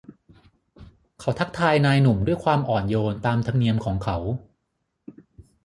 เขาทักทายนายหนุ่มด้วยความอ่อนโยนตามธรรมเนียมของเขา